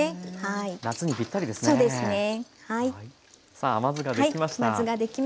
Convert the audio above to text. さあ甘酢ができました。